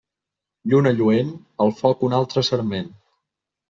Lluna lluent, al foc un altre sarment.